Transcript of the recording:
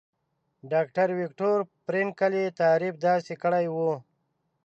ډاکټر ويکټور فرېنکل يې تعريف داسې کړی وو.